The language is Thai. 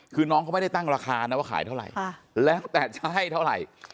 คือน้องเขาไม่ได้ตั้งราคานะว่าขายเท่าไหร่แล้วแต่จะให้เท่าไหร่